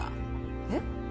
えっ？